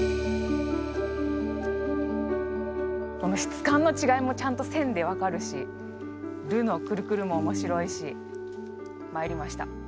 この質感の違いもちゃんと線で分かるし「ル」のクルクルも面白いしまいりました。